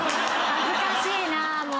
恥ずかしいなもう。